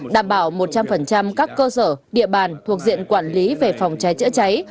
đảm bảo một trăm linh các cơ sở địa bàn thuộc diện quản lý về phòng cháy chữa cháy